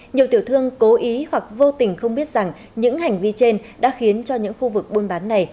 nhiều tiểu thương cố ý hoặc vô tình không biết rằng những hành vi trên đã khiến cho những khu vực buôn bán này